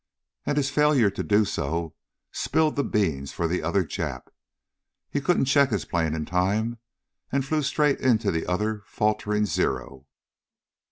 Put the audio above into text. And his failure to do so spilled the beans for the other Jap. He couldn't check his plane in time, and he flew straight into the other faltering Zero.